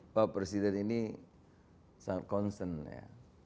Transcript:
pak presiden ini sangat concern ya